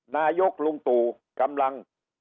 นายกลุงตู่กำลัง